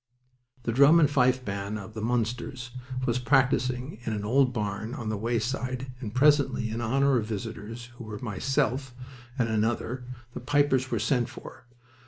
The drum and fife band of the Munsters was practising in an old barn on the wayside, and presently, in honor of visitors who were myself and another the pipers were sent for.